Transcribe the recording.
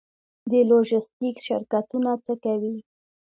د لوژستیک شرکتونه څه کوي؟